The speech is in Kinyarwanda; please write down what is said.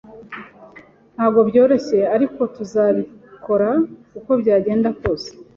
Ntabwo byoroshye, ariko tuzabikora uko byagenda kose.